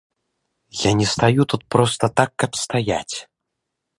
Я не стаю тут проста так, каб стаяць.